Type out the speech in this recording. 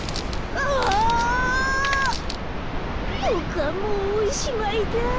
ボクはもうおしまいだ。